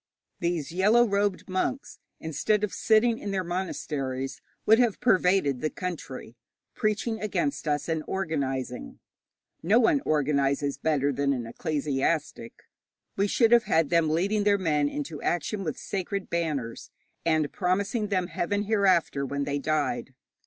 These yellow robed monks, instead of sitting in their monasteries, would have pervaded the country, preaching against us and organizing. No one organizes better than an ecclesiastic. We should have had them leading their men into action with sacred banners, and promising them heaven hereafter when they died.